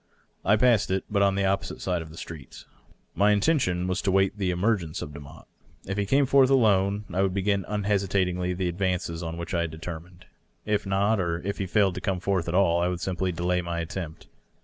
I passed it, but on the opposite side of the street. My intention was to wait the emei^enoe of Demotte. If he came forth alone, I would b^in unhesitatingly the advances on which I had determined. If not, or if he failed to come forth at all, I would simply delay my attempt.